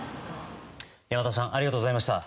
山田さんありがとうございました。